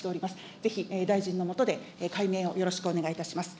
ぜひ、大臣の下で解明をよろしくお願いいたします。